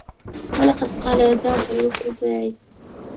وَلَقَدْ قَالَ دِعْبِلٌ الْخُزَاعِيُّ